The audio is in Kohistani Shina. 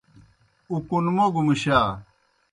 اُکنموگوْ مُشا۔